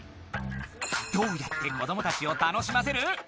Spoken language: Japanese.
どうやって子どもたちを楽しませる？